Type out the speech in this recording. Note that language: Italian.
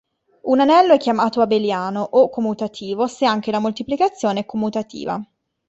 Un anello è chiamato "abeliano" o "commutativo" se anche la moltiplicazione è commutativa.